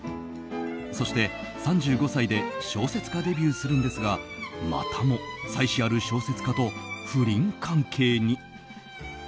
そして、３５歳で小説家デビューするんですがまたも、妻子ある小説家と不倫関係に。